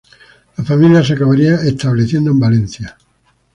La familia se acabaría estableciendo en Valencia.